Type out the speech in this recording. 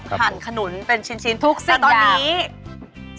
ครับผมหั่นขนุนเป็นชิ้นทุกสิ่งอย่างแล้วตอนนี้